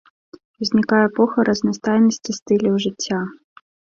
Узнікае эпоха разнастайнасці стыляў жыцця.